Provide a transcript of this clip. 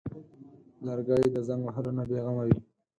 لرګی د زنګ وهلو نه بېغمه وي.